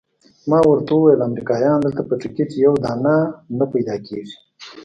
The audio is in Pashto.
ما ورته وویل امریکایان دلته په ټکټ یو دانه نه پیدا کیږي.